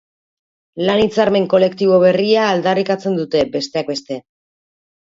Lan hitzarmen kolektibo berria aldarrikatzen dute, besteak beste.